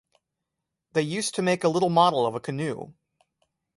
They used to make a little model of a canoe.